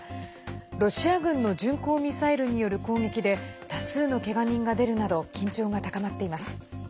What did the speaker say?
ロシア軍の巡航ミサイルによる攻撃で多数のけが人が出るなど緊張が高まっています。